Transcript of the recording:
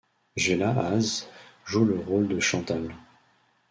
Jella Haase joue le rôle de Chantal.